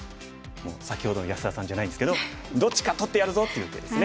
先ほどの安田さんじゃないんですけど「どっちか取ってやるぞ」という手ですね。